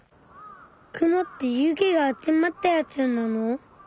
雲って湯気が集まったやつなの？